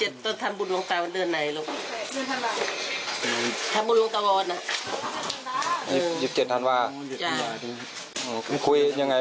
ดูแม่ดูพ่อให้ดีนะดูตัวเขายังไง